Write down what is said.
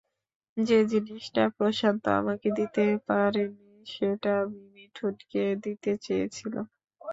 যে জিনিসটা প্রশান্ত আমাকে দিতে পারেনি, সেটা আমি মিঠুনকে দিতে চেয়েছিলাম।